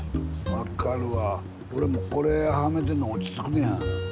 分かるわ俺もこれはめてんのが落ち着くんや。